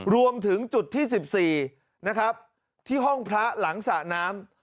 รวมถึงจุดที่๑๔นะครับที่ห้องพระหลังสระน้ำ